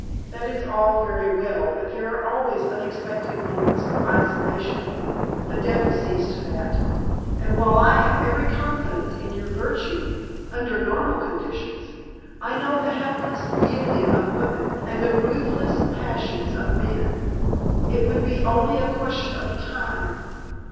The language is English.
"That is all very well, but there are always unexpected moments of isolation. The devil sees to that. And while I have every confidence in your virtue under normal conditions I know the helpless yielding of women and the ruthless passions of men. It would be only a question of time.